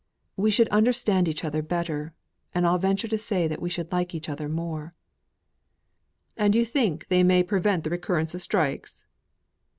We should understand each other better, and I'll venture to say we should like each other more." "And you think they may prevent recurrence of strikes?"